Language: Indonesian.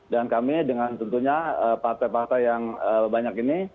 dan kami dengan tentunya partai partai yang banyak ini